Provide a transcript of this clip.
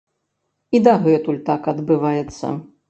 І дагэтуль так адбываецца!